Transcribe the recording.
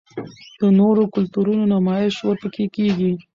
د نورو کلتورونو نمائش ورپکښې کـــــــــــــــــېږي